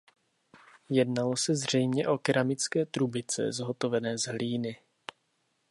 Jednalo se zřejmě o keramické trubice zhotovené z hlíny.